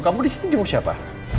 kamu di sini jenguk siapa